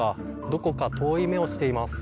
どこか遠い目をしています。